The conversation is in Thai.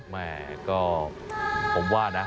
แม่ก็ผมว่านะ